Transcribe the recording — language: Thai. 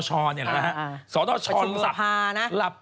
จากธนาคารกรุงเทพฯ